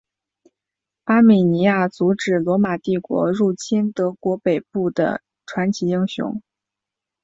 阿米尼亚阻止罗马帝国入侵德国北部的传奇英雄。